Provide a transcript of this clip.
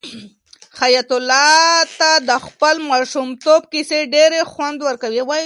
حیات الله ته د خپل ماشومتوب کیسې ډېر خوند ورکوي.